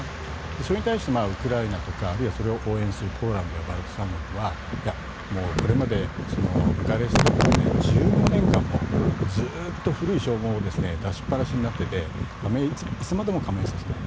それに対してウクライナとかそれを応援するポーランドやバルト三国はいや、これまでブカレストから１５年間もずっと古い称号を出しっぱなしになっていていつまでも加盟させない。